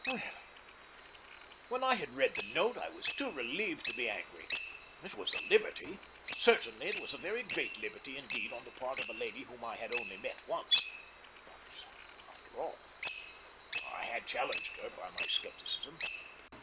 Really, when I had read the note, I was too relieved to be angry. It was a liberty. Certainly it was a very great liberty indeed on the part of a lady whom I had only met once. But, after all, I had challenged her by my scepticism.